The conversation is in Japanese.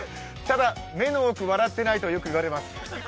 ただ目の奥笑ってないとよく言われます。